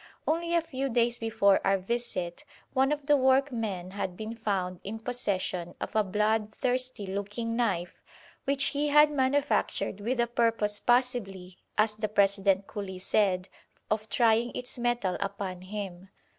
Only a few days before our visit one of the workmen had been found in possession of a bloodthirsty looking knife which he had manufactured with the purpose possibly, as the President coolly said, of trying its metal upon him.